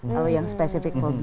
kalau yang spesifik fobia